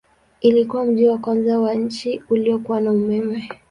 Ilikuwa mji wa kwanza wa nchi uliokuwa na umeme.